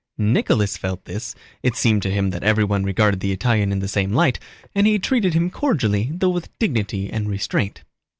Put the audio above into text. Nicholas felt this, it seemed to him that everyone regarded the Italian in the same light, and he treated him cordially though with dignity and restraint.